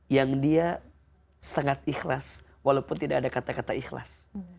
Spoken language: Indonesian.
yang dia sangat ikhlas walaupun tidak ada kata kata ikhlas